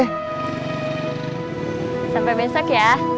sampai besok ya